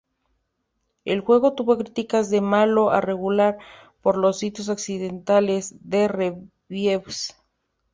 El juego tuvo críticas de malo a regular por los sitios occidentales de reviews.